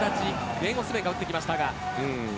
ベンオスメンが打ってきました。